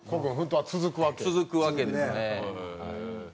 続くわけですね。